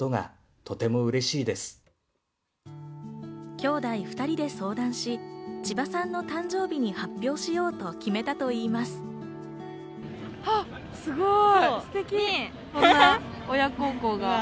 兄弟２人で相談し、千葉さんの誕生日に発表しようと決めたといいます。